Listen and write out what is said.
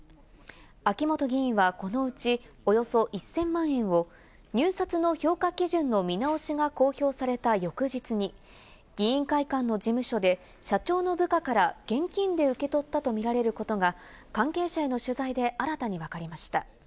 秋本議員はこのうちおよそ１０００万円を入札の評価基準の見直しが公表された翌日に、議員会館の事務所で社長の部下から現金で受け取ったとみられることが関係者への取材で新たにわかりました。